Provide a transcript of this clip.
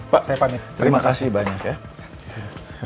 pak terima kasih banyak ya